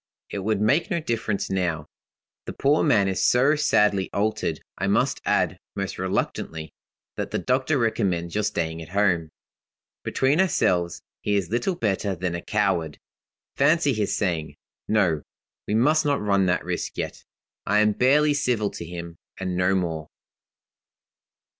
It would make no difference now; the poor man is so sadly altered. I must add, most reluctantly, that the doctor recommends your staying at home. Between ourselves, he is little better than a coward. Fancy his saying; 'No; we must not run that risk yet.' I am barely civil to him, and no more.